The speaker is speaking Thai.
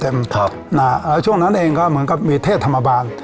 แล้วช่วงนั้นเองก็เหมือนกับมีเทพธรรมบาล